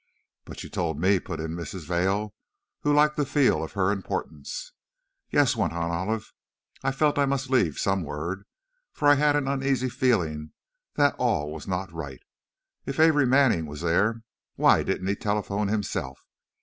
"But you told me," put in Mrs. Vail, who liked to feel her importance. "Yes," went on Olive, "I felt I must leave some word, for I had an uneasy feeling that all was not right. If Amory Manning was there, why didn't he telephone himself?